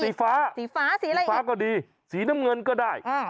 สีฟ้าสีฟ้าสีอะไรฟ้าก็ดีสีน้ำเงินก็ได้